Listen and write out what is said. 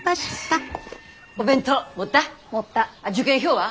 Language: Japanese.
あっ受験票は？